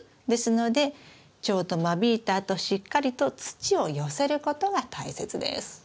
ですのでちょうど間引いたあとしっかりと土を寄せることが大切です。